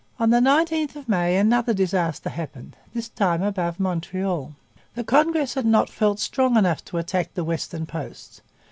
On the 19th of May another disaster happened, this time above Montreal. The Congress had not felt strong enough to attack the western posts.